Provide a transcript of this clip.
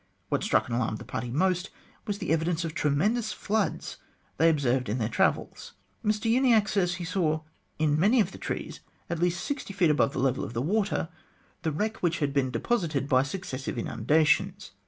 What struck and alarmed the party most was the evidence of tremendous floods they observed in their travels. Mr Uniacke says he saw in many of the trees, at least sixty feet above the level of the water, the wreck which had been deposited by successive inundations.